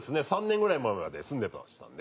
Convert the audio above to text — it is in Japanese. ３年ぐらい前まで住んでましたんで。